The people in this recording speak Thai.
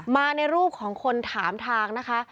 มาในรูปของคนถามทางนะคะ